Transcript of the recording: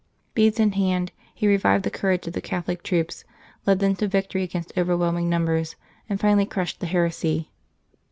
Beads in hand, he revived the courage of the Catholic troops, led them to victory against overwhelming numbers, and finally crushed the heresy.